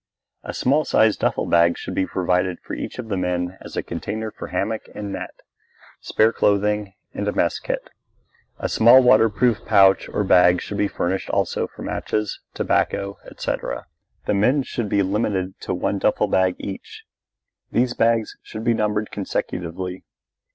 A small sized duffel bag should be provided for each of the men as a container for hammock and net, spare clothing, and mess kit. A very small waterproof pouch or bag should be furnished also for matches, tobacco, etc. The men should be limited to one duffel bag each. These bags should be numbered consecutively.